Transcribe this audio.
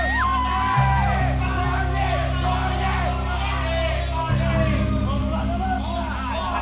kamu semua ingat kepala mata di mana nau ini